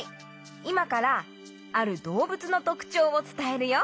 いまからあるどうぶつのとくちょうをつたえるよ。